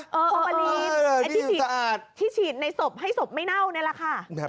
ฟอร์มาลีนไอ้ที่ฉีดในศพให้ศพไม่เน่านี่แหละค่ะ